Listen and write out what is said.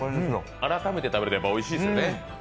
改めて食べるとやっぱりおいしいですよね。